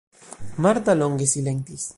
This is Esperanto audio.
Marta longe silentis.